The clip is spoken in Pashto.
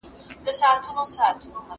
هغه څوک چي اوبه پاکوي روغ وي